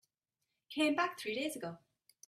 Came back three days ago.